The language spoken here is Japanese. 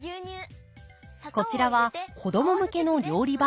こちらは子供向けの料理番組。